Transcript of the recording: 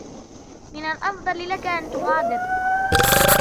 من الأفضل لك أن تغادر.